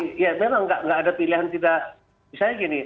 jadi ya memang tidak ada pilihan tidak misalnya gini